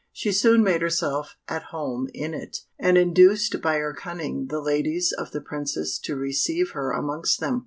She soon made herself at home in it, and induced by her cunning the ladies of the Princess to receive her amongst them.